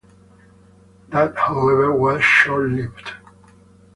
That however, was short-lived.